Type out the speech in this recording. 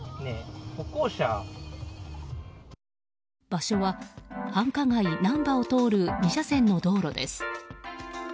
場所は繁華街、難波を通る２車線の道路です。